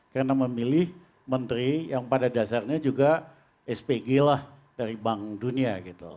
karena memilih menteri yang pada dasarnya juga spg lah dari bank dunia